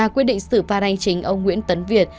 quyết định xử phạt hành chính ông nguyễn tấn việt